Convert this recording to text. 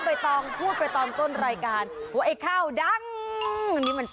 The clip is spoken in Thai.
มันหอมเพราะว่าถั่วคั่วงาคั่วอย่างนี้มันหอม